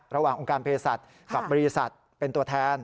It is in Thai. ระหว่างองค์การเพศัตริย์กับบริษัทเป็นตัวแทน